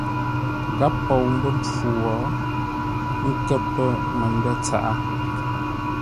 Gháp pou mbə́ mpfu wo, ə́ nkə̂r pə̂ məndə̂ tsaʼá.